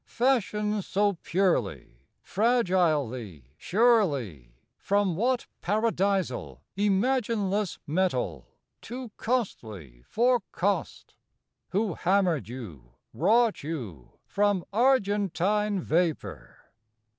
Fashioned so purely, Fragilely, surely, From what Paradisal Imagineless metal, Too costly for cost? Who hammered you, wrought you, From argentine vapour?